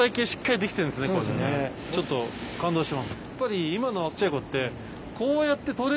やっぱり。